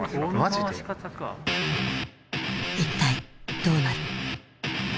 一体どうなる。